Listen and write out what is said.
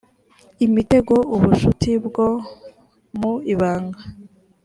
imitego ubucuti bwo mu ibanga